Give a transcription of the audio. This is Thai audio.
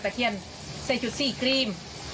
ใช่หยุดสี่ครีม